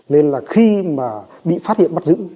nên là khi mà bị phát hiện bắt giữ